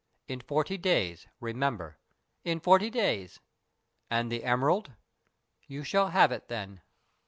In forty days, remember." "In forty days." "And the emerald?" "You shall have it then."